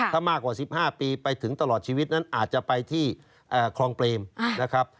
ถ้ามากกว่า๑๕ปีไปถึงตลอดชีวิตนั้นอาจจะไปที่คลองเปรมนะครับ